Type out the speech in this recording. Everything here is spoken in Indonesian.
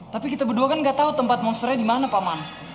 tapi kita berdua kan gak tau tempat monsternya dimana paman